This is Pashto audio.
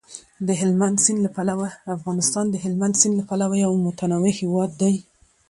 افغانستان د هلمند سیند له پلوه یو متنوع هیواد دی.